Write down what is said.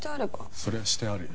そりゃしてあるよ。